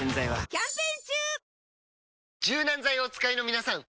柔軟剤をお使いのみなさん！